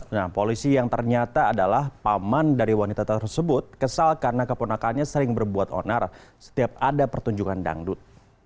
nah polisi yang ternyata adalah paman dari wanita tersebut kesal karena keponakannya sering berbuat onar setiap ada pertunjukan dangdut